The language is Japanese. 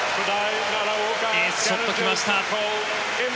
エースショット来ました。